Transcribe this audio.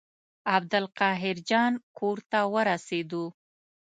عبدالقاهر جان کور ته ورسېدو.